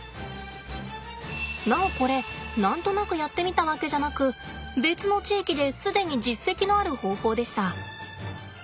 なおこれ何となくやってみたわけじゃなく別の地域で既に実績のある方法でした。